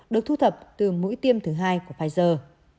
được thu thập từ mũi tiêm thứ hai của pfizer